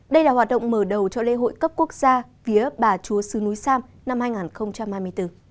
đây là hoạt động mở đầu cho lễ hội cấp quốc gia vía bà chúa sứ núi sam năm hai nghìn hai mươi bốn